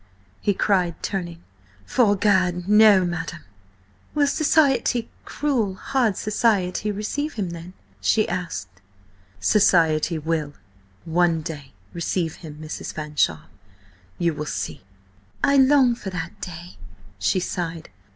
he cried, turning. "'Fore Gad, no, madam!" "Will society–cruel, hard society–receive him, then?" she asked. "Society will–one day–receive him, Mrs. Fanshawe. You will see." "I long for that day," she sighed.